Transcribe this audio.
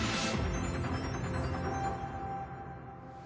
はい。